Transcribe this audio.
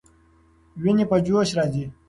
ويني په جوش راځي.